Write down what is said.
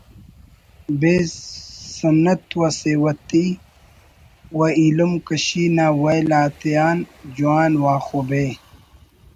بے سنت و سیوتی و ایلم کشی نا ویل آتیان جوان واخب ءِ